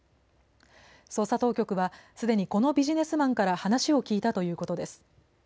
捜査当局はすでにこのビジネスマンから話を聴いたということです。